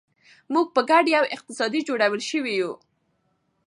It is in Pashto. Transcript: موږ په ګډه یو قوي اقتصاد جوړولی شو.